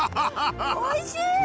おいしい！